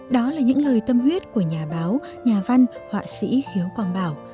đó là những lời tâm huyết của nhà báo nhà văn họa sĩ khiếu quang bảo